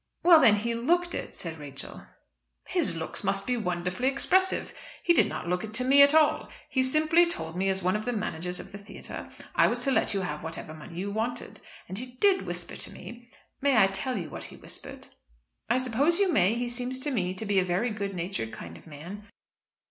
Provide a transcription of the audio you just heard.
"Well, then, he looked it," said Rachel. "His looks must be wonderfully expressive. He did not look it to me at all. He simply told me, as one of the managers of the theatre, I was to let you have whatever money you wanted. And he did whisper to me, may I tell you what he whispered?" "I suppose you may. He seems to me to be a very good natured kind of man."